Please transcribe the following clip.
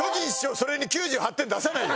それに９８点出さないよ。